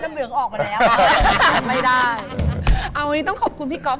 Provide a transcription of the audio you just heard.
ว่าน้ำเหลืองออกมาแล้ว